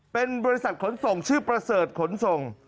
เป็นบริษัทขนส่งชื่อประเสริฐขนส่ง